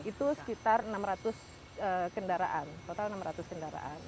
itu sekitar enam ratus kendaraan total enam ratus kendaraan